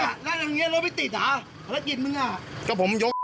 เฮียยยยยรถไม่ติดหรอกพลักภาพมันอ่ะ